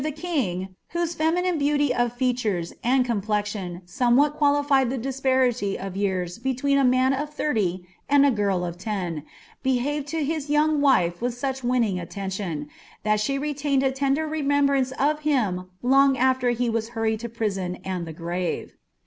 the king, whose feminine beauty of features and complexion ■om^' wbal ijnalifiMl the disparity of years beiween a man of thirty and a girl dT un, behaved to his young wife with such winning atientiuii, tliat aiu TOaiiicd a Lender remembrance of him long ader he was hurried lo priao^ •uil (ho grave.